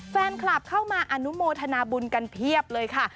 แฟนคลับเข้ามาอนุโมทนาบุญกันเพียบเลยค่ะ